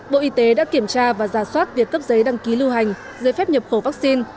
bộ y tế đã kiểm tra và giả soát việc cấp giấy đăng ký lưu hành giấy phép nhập khẩu vaccine